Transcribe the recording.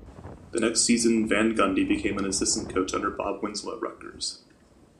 The next season, Van Gundy became an assistant coach under Bob Wenzel at Rutgers.